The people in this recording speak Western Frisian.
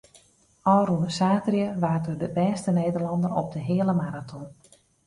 Ofrûne saterdei waard er de bêste Nederlanner op de heale maraton.